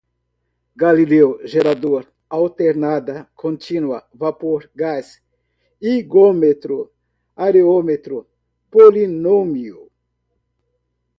galileu, gerador, alternada, contínua, vapor, gás, higrômetro, areômetro, polinômio